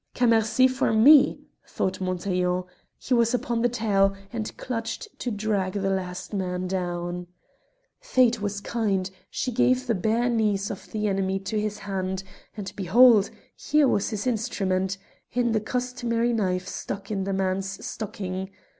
"Cammercy for me!" thought Montaiglon: he was upon the tail, and clutched to drag the last man down. Fate was kind, she gave the bare knees of the enemy to his hand, and behold! here was his instrument in the customary knife stuck in the man's stocking.